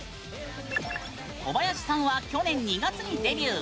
小林さんは去年２月にデビュー。